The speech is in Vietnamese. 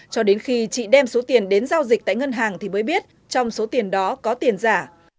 cho đến khi chị đem số tiền đến giao dịch tại ngân hàng thì mới biết trong số tiền đó có tiền giả